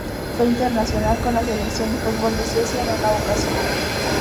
Fue internacional con la selección de fútbol de Suecia en una ocasión.